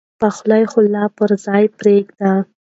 پخلی خو لا پر ځای پرېږده.